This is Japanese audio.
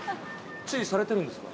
注意されてるんですか。